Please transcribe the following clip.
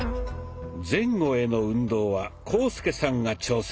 前後への運動は浩介さんが挑戦。